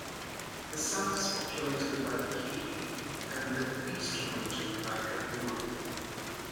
The south is populated by the Hehe and the eastern region by the Kaguru.